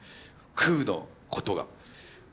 空のことが。